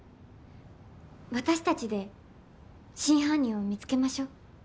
私たちで真犯人を見つけましょう。